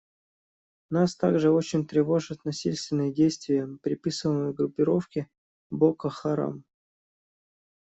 Нас также очень тревожат насильственные действия, приписываемые группировке «Боко Харам».